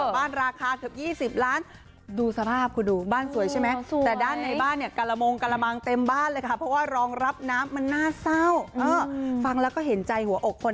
บ้านราคาเกือบ๒๐ล้าน